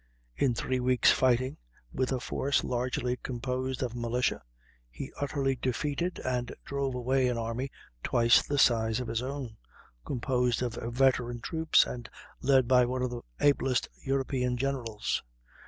In three weeks' fighting, with a force largely composed of militia, he utterly defeated and drove away an army twice the size of his own, composed of veteran troops, and led by one of the ablest of European generals.